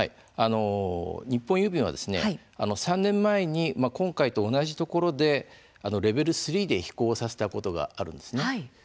日本郵便は、３年前に今回と同じところでレベル３で飛行させたことがあるんです。